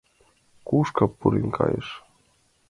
Кушко пурен кайыш?..